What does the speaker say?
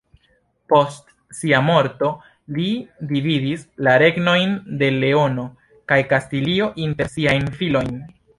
Post sia morto, li dividis la regnojn de Leono kaj Kastilio inter siajn filojn.